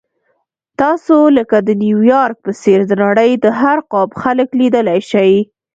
تاسو لکه د نیویارک په څېر د نړۍ د هر قوم خلک لیدلی شئ.